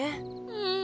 うん。